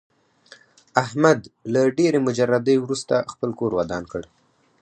احمد له ډېرې مجردۍ ورسته خپل کور ودان کړ.